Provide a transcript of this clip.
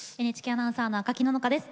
ＮＨＫアナウンサーの赤木野々花です。